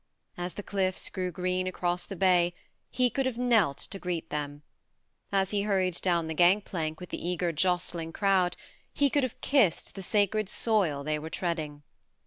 As the cliffs grew green across the bay he could have knelt to greet them as he hurried down the gang plank with the eager jostling crowd he could have kissed the sacred soil they were treading.